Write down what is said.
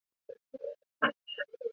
找到一间餐厅就进去吃